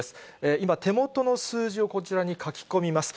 今、手元の数字をこちらに書き込みます。